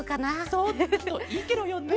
そういいケロよね。